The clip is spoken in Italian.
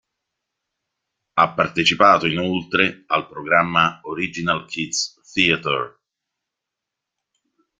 Ha partecipato inoltre al programma "Original Kids Theatre".